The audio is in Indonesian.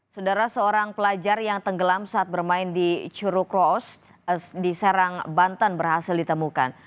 saudara seorang pelajar yang tenggelam saat bermain di curug roast di serang banten berhasil ditemukan